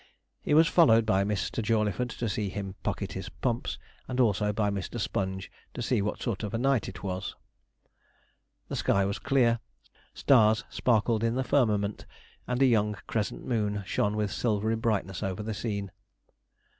He was followed by Mr. Jawleyford, to see him pocket his pumps, and also by Mr. Sponge, to see what sort of a night it was. The sky was clear, stars sparkled in the firmament, and a young crescent moon shone with silvery brightness o'er the scene.